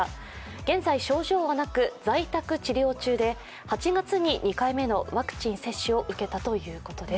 現在症状はなく在宅治療中で８月にワクチン接種を受けたということです。